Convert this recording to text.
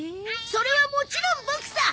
それはもちろんボクさ！